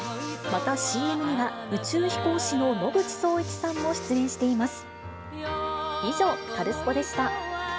また、ＣＭには宇宙飛行士の野口聡一さんも出演しています。